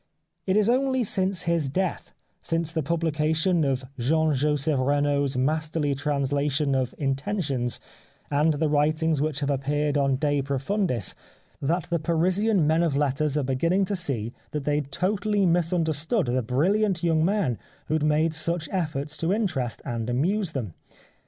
It is only since his death, since the publication of Jean Joseph Renaud's masterly translation of " Intentions," and the writings which have appeared on " De Pro fundis " that the Parisian men of letters are beginning to see that they had totally misunder stood the brilliant young man who made such efforts to interest and amuse them.